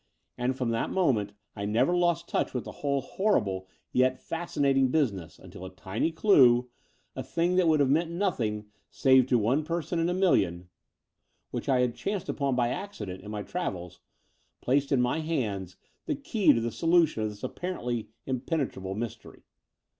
And from that moment I never lost touch with the whole horrible, yet fascinating business imtil a tiny clue — a thing that wotdd have meant nothing save to one person in a million, The Brighton Road 39 which I had chanced upon by accident in my travels — ^placed in my hands the key to the solu tion of this apparently impenetrable mystery.